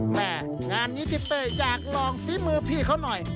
แม่งานนี้ทิศเป้อยากลองฝีมือพี่เขาหน่อย